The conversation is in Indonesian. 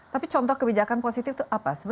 tapi contoh kebijakan positif itu apa